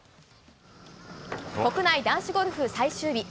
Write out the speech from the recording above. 国内男子ゴルフ最終日。